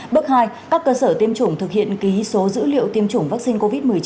bước hai các cơ sở tiêm chủng thực hiện ký số dữ liệu tiêm chủng vaccine covid một mươi chín